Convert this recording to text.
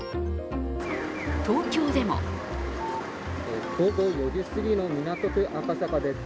東京でも午後４時すぎの港区赤坂です。